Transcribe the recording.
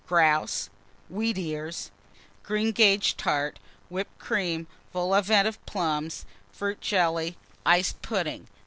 Grouse. Wheatears. Greengage Tart. Whipped Cream. Vol au Vent of Plums. Fruit Jelly. Iced Pudding.